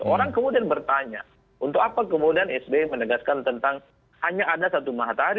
orang kemudian bertanya untuk apa kemudian sby menegaskan tentang hanya ada satu matahari